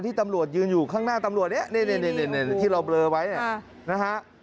ตำรวจยืนอยู่ข้างหน้าตำรวจเนี่ยที่เราเบลอไว้เนี่ยนะฮะ